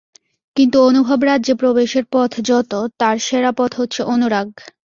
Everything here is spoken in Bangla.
কিন্তু অনুভব-রাজ্যে প্রবেশের যত পথ, তার সেরা পথ হচ্ছে অনুরাগ।